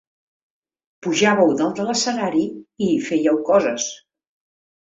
Pujàveu dalt de l'escenari i hi fèieu coses.